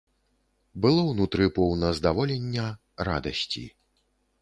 Было ўнутры поўна здаволення, радасці.